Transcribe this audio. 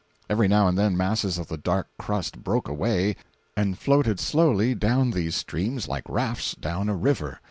Every now and then masses of the dark crust broke away and floated slowly down these streams like rafts down a river.